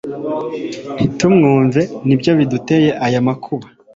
ntitumwumvire ni byo biduteye aya makuba